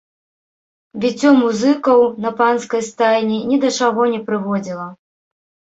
Біццё музыкаў на панскай стайні ні да чаго не прыводзіла.